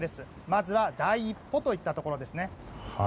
まずは第一歩といったところですね。